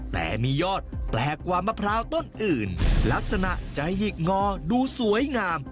แต่มียอดแปลกกว่ามะพร้าวต้นอื่นลักษณะจะหยิกงอดูสวยงาม